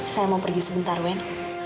saya mau pergi sebentar wen